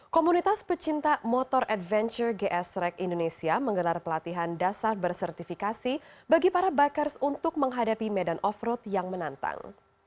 komunitas pecinta motor adventure gs track indonesia menggelar pelatihan dasar bersertifikasi bagi para bikers untuk menghadapi medan off road yang menantang